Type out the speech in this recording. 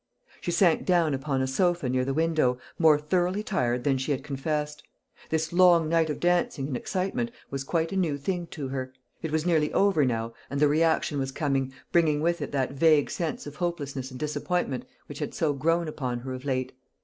She sank down upon a sofa near the window, more thoroughly tired than she had confessed. This long night of dancing and excitement was quite a new thing to her. It was nearly over now, and the reaction was coming, bringing with it that vague sense of hopelessness and disappointment which had so grown upon her of late.